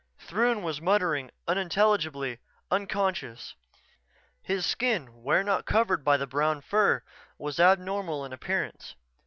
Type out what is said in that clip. Throon was muttering unintelligibly, unconscious. His skin, where not covered by the brown fur, was abnormal in appearance.